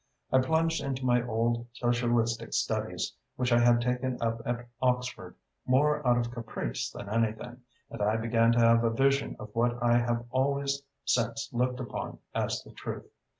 I plunged into my old socialistic studies, which I had taken up at Oxford more out of caprice than anything, and I began to have a vision of what I have always since looked upon as the truth.